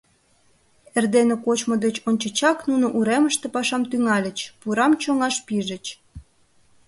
Эрдене кочмо деч ончычак нуно уремыште пашам тӱҥальыч, пурам чоҥаш пижыч.